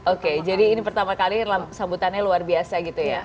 oke jadi ini pertama kali sambutannya luar biasa gitu ya